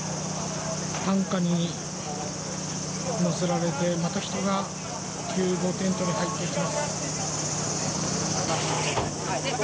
担架に乗せられて、また人が救護テントに入っていきます。